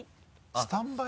スタンバイ？